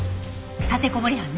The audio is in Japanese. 立てこもり犯ね。